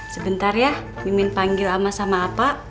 sebentar ya mimin panggil ama sama apa